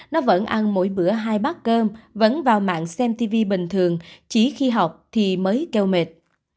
nó vẫn ăn mỗi bữa hai bát cơm vẫn vào mạng xem tv bình thường chỉ khi học thì mới keo mệt